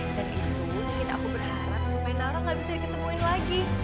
dan itu bikin aku berharap supaya naora gak bisa diketemuin lagi